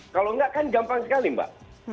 kalau enggak kan gampang sekali mbak